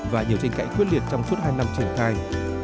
và nhiều tranh cãi quyết liệt trong suốt hai năm triển khai